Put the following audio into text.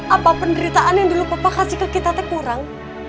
apa penderitaan yang dulu papa kasih ke kita tuh kurang